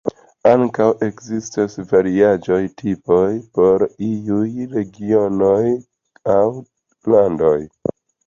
Ankaŭ ekzistas variaĵoj tipaj por iuj regionoj aŭ landoj.